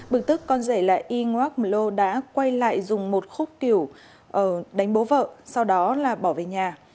bực tức con rể lại y ngọc lo đã quay lại dùng một khúc kiểu đánh bố vợ sau đó là bỏ về nhà